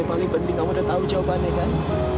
tapi paling penting kamu udah tau jawabannya kan